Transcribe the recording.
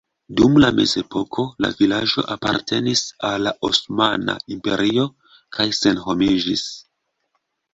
Dum la mezepoko la vilaĝo apartenis al la Osmana Imperio kaj senhomiĝis.